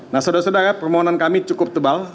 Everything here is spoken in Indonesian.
nah saudara saudara permohonan kami cukup tebal